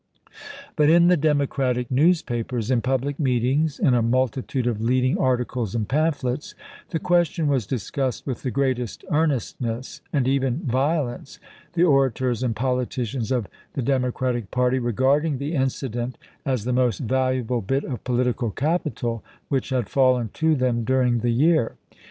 But in the Democratic newspapers, in public meetings, in a multitude of leading articles and pamphlets, the question was discussed with the greatest earnestness, and even violence, the orators and politicians of the Demo cratic party regarding the incident as the most valuable bit of political capital which had fallen to them during the year.